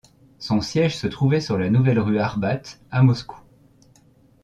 Son siège se trouvait sur la nouvelle rue Arbat à Moscou.